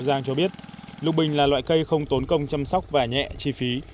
giang cho biết lục bình là loại cây không tốn công chăm sóc và nhẹ chi phí